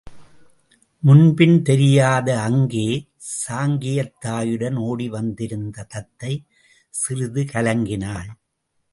முன்பின் தெரியாத அங்கே சாங்கியத் தாயுடன் ஓடி வந்திருந்த தத்தை சிறிது கலங்கினாள்.